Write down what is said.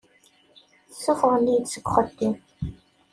Ssufɣen-iyi-d seg uxeddim.